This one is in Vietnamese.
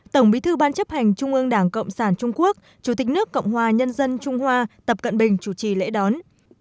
tổng bí thư ban chấp hành trung ương đảng cộng sản trung quốc chủ tịch nước cộng hòa nhân dân trung hoa tập cận bình chủ trì lễ đón